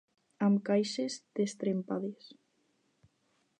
Amb caixes destrempades.